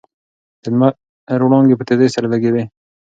د لمر وړانګې په تېزۍ سره لګېدې.